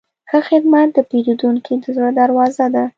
ښه خدمت د پیرودونکي د زړه دروازه ده.